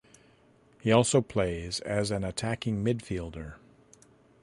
He also plays as an attacking midfielder.